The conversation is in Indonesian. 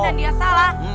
dan dia salah